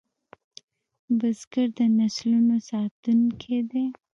بزګر د نسلونو ساتونکی دی